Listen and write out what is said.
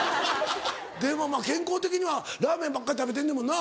でもまぁ健康的にはラーメンばっかり食べてんねんもんな。